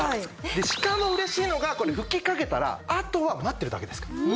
しかも嬉しいのがこれ吹きかけたらあとは待ってるだけですから。